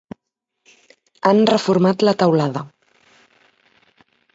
Han reformat la teulada.